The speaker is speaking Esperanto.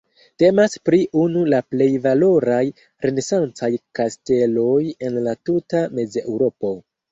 Temas pri unu la plej valoraj renesancaj kasteloj en la tuta Mezeŭropo.